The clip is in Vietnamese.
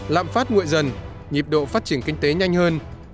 lạm phát nguội dần nhịp độ phát triển kinh tế nhanh hơn